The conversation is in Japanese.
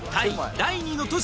第二の都市